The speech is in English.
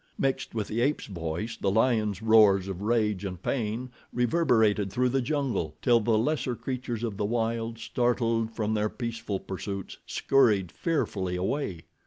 Mixed with the ape's voice the lion's roars of rage and pain reverberated through the jungle, till the lesser creatures of the wild, startled from their peaceful pursuits, scurried fearfully away.